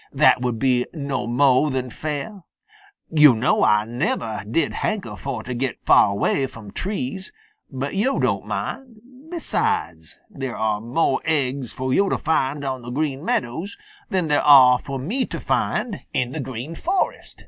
"That would be no mo' than fair. Yo' know Ah never did hanker fo' to get far away from trees, but yo' don't mind. Besides there are mo' aiggs for yo' to find on the Green Meadows than there are fo' me to find in the Green Forest.